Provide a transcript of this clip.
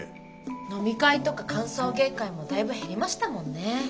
飲み会とか歓送迎会もだいぶ減りましたもんね。